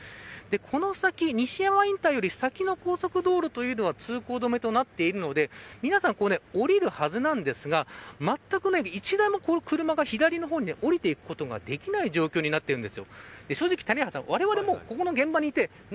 この先、西山インターより先の高速道路というのは通行止めとなっているので皆さん下りるはずなんですがまったく１台も車が左の方に下りていくことができない状況になっているんです。